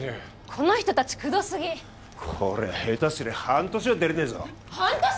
この人たちくどすぎこりゃ下手すりゃ半年は出れねえぞ半年！？